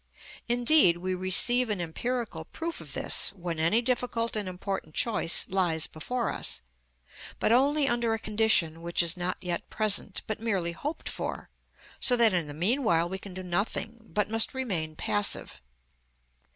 Indeed, we receive an empirical proof of this when any difficult and important choice lies before us, but only under a condition which is not yet present, but merely hoped for, so that in the meanwhile we can do nothing, but must remain passive.